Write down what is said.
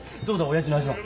親父の味は。